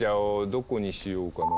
どこにしようかな。